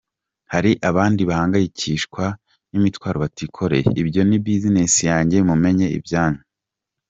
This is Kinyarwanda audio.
Hari abandi bahangayikishwa n’imitwaro batikoreye, ibyo ni business yanjye, mumenye ibyanyu”.